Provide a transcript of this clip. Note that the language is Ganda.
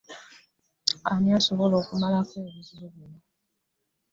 Ani asobola okumalako ebizibu bino?